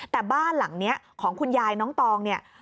แต่บ้านหลังนี้ของคุณยายน้องตองเนี่ย